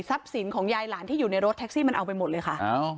สินของยายหลานที่อยู่ในรถแท็กซี่มันเอาไปหมดเลยค่ะ